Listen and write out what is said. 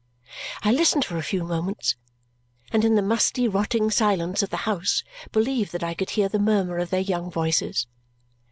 I listened for a few moments, and in the musty rotting silence of the house believed that I could hear the murmur of their young voices.